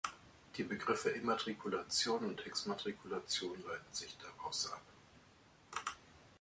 Die Begriffe Immatrikulation und Exmatrikulation leiten sich daraus ab.